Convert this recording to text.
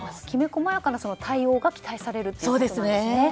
きめ細やかな対応が期待されるということなんですね。